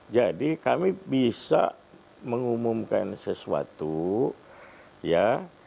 jadi kami bisa mengumumkan sesuatu ya